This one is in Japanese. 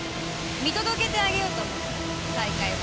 見届けてあげようと思って。